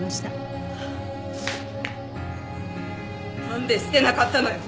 なんで捨てなかったのよ。